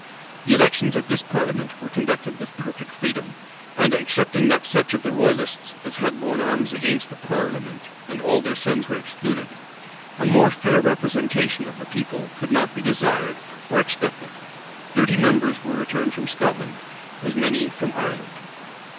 The elections of this parliament were conducted with perfect freedom; and, excepting that such of the royalists as had borne arms against the parliament and all their sons were excluded, a more fair representation of the people could not be desired or expected. Thirty members were returned from Scotland; as many from Ireland.